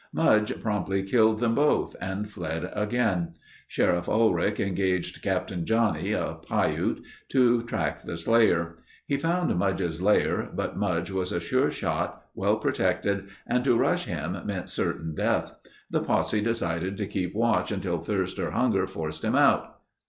Mudge promptly killed them both and fled again. Sheriff Ulric engaged Captain Johnnie, a Piute, to track the slayer. He found Mudge's lair, but Mudge was a sure shot, well protected and to rush him meant certain death. The posse decided to keep watch until thirst or hunger forced him out.